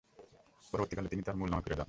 পরবর্তী কালে তিনি তার মূল নামে ফিরে যান।